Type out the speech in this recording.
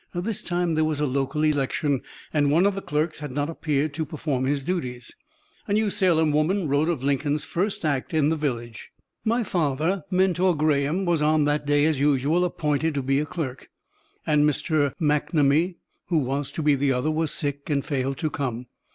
This time there was a local election, and one of the clerks had not appeared to perform his duties. A New Salem woman wrote of Lincoln's first act in the village: "My father, Mentor Graham, was on that day, as usual, appointed to be a clerk, and Mr. McNamee, who was to be the other, was sick and failed to come.